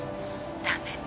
駄目。